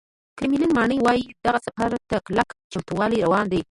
کرملین ماڼۍ وایي، دغه سفر ته کلک چمتووالی روان دی